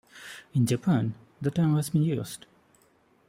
In Japan, the term has been used.